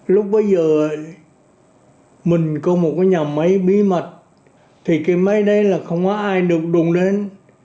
lúc bây giờ mình có một cái nhà máy bí mật thì cái máy đấy là không có ai được đùm đến